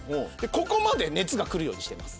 ここまで熱がくるようにしてます。